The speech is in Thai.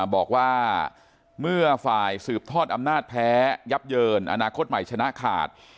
บอกว่าเมื่อฝ่ายสืบทอดอำนาจแพ้ยับเยินอนาคตใหม่ชนะขาด